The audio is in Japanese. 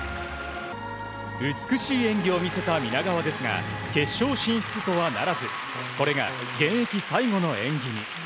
美しい演技を見せた皆川ですが決勝進出とはならずこれが現役最後の演技に。